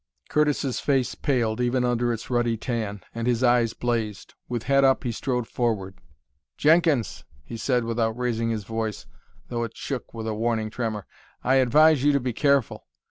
Curtis's face paled, even under its ruddy tan, and his eyes blazed. With head up he strode forward. "Jenkins," he said, without raising his voice, although it shook with a warning tremor, "I advise you to be careful.